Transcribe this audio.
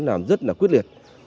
làm rất là quyết liệt